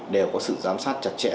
đều có sự giám sát chặt chẽ